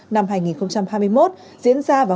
năm hai nghìn hai mươi một diễn ra vào